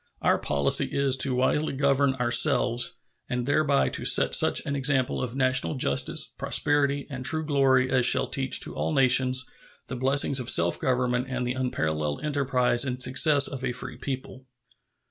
Our policy is wisely to govern ourselves, and thereby to set such an example of national justice, prosperity, and true glory as shall teach to all nations the blessings of self government and the unparalleled enterprise and success of a free people.